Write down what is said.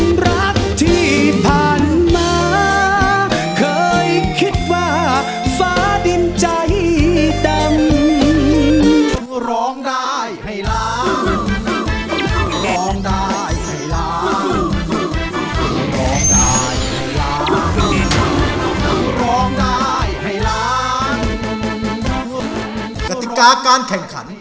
กระติกาการแข่งขัน